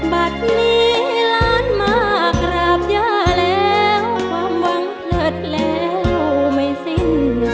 บัตรนี้ล้านมากราบย่าแล้วความหวังเพลิดแล้วไม่สิ้น